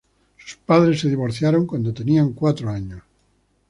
Sus padres se divorciaron cuando tenía cuatro años.